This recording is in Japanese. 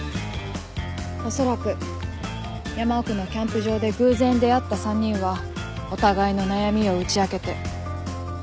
恐らく山奥のキャンプ場で偶然出会った３人はお互いの悩みを打ち明けて。